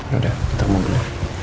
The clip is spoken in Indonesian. yaudah kita ke mobil